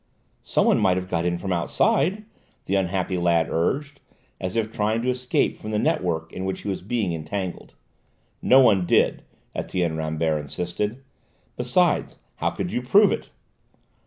"Someone might have got in from outside," the unhappy lad urged, as if trying to escape from the network in which he was being entangled. "No one did," Etienne Rambert insisted; "besides, how could you prove it?"